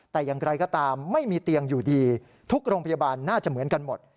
แต่อย่างไรก็ตามไม่มีเตียงอยู่ดีทุกโรงพยาบาลน่าจะเหมือนกันหมด